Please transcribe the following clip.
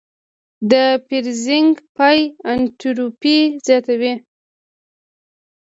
د فریزینګ پای انټروپي زیاتوي.